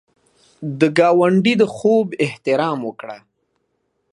د ګاونډي د خوب احترام وکړه